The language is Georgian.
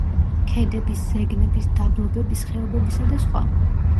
ქედების, ზეგნების, დაბლობების, ხეობებისა და სხვა.